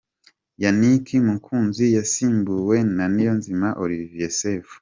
Yannick Mukunzi yasimbuwe na Niyonzima Olivier Sefu.